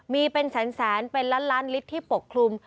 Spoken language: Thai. มีเป็นแสนเป็นล้านล้านลิตรที่ปกคลุม